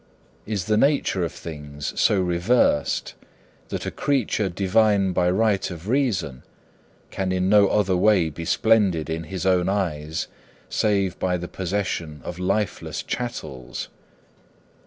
Is the nature of things so reversed that a creature divine by right of reason can in no other way be splendid in his own eyes save by the possession of lifeless chattels?